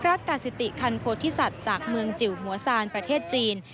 รัฐกาซิติคันโพธิสัตว์จากเมืองจิ๋วหัวซานประเทศจีน